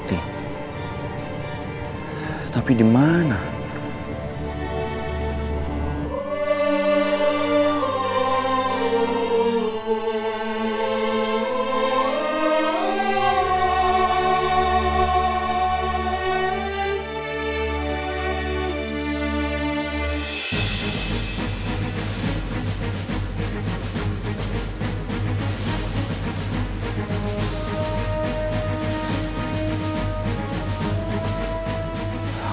teman dia tersiaplah